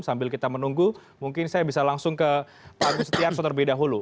sambil kita menunggu mungkin saya bisa langsung ke pak agus setiarso terlebih dahulu